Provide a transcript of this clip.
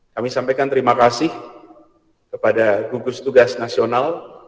kami sampaikan terima kasih kepada gugus tugas nasional